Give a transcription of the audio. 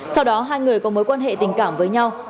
sau đó hai người có mối quan hệ tình cảm với nhau